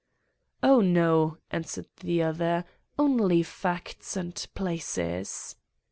"'O no,' answered the other, 'only facts and places.